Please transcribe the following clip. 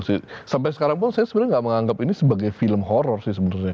sampai sekarang pun saya sebenarnya nggak menganggap ini sebagai film horror sih sebenarnya